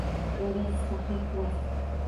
Yozasiz, tahrir qilasiz.